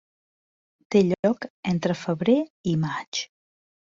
Té lloc entre febrer i maig.